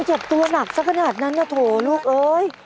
ยอมเจ็บตัวหนักสักขนาดนั้นนะโอ้โหลูกเอ๊ย